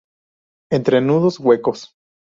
Entrenudos huecos.